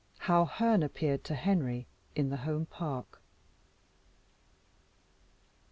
How Herne appeared to Henry In the Home Park.